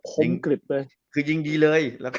คมกริบเลยคือยิงดีเลย